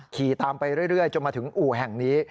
ขี่ตามไปเรื่อยจนมาถึงอู่แห่งนี้